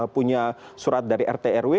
punya surat dari rtrw